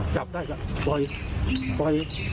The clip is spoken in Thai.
จับได้ก็ปล่อยปล่อย